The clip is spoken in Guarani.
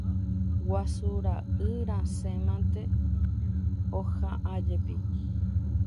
Guasu ra'y rasẽ mante oha'ãjepi.